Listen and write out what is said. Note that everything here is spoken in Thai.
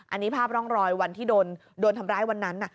อันนี้ภาพร่องรอยวันที่โดนทำร้ายวันนั้น